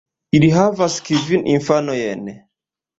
Ili havas kvin infanojn.